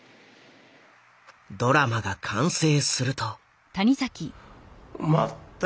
ドラマが完成すると。